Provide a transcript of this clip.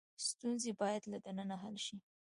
ستونزې باید له دننه حل شي.